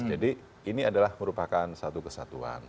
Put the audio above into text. jadi ini adalah merupakan satu kesatuan